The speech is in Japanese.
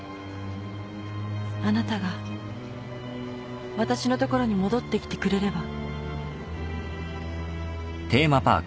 あなたがわたしのところに戻ってきてくれれば。